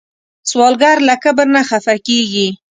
سوالګر له کبر نه خفه کېږي